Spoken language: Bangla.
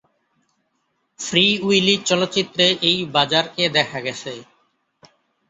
ফ্রী উইলি চলচ্চিত্রে এই বাজারকে দেখা গেছে।